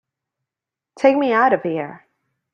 Take me out of here!